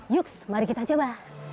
yuk mari kita coba